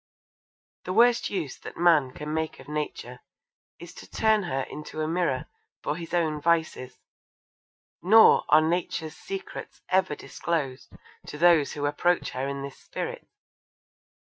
The worst use that man can make of Nature is to turn her into a mirror for his own vices, nor are Nature's secrets ever disclosed to those who approach her in this spirit.